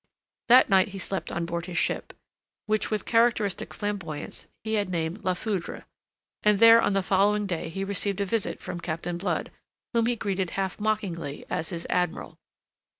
That night he slept on board his ship, which with characteristic flamboyance he had named La Foudre, and there on the following day he received a visit from Captain Blood, whom he greeted half mockingly as his admiral.